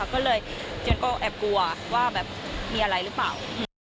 ก็เลยเจียนก็แอบกลัวว่าแบบมีอะไรหรือเปล่า